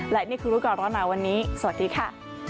และนี่คือรู้ก่อนร้อนหนาวันนี้สวัสดีค่ะ